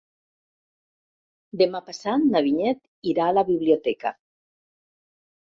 Demà passat na Vinyet irà a la biblioteca.